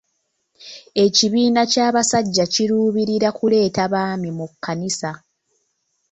Ekibiina ky'abasajja kiruubirira kuleeta baami mu kkanisa.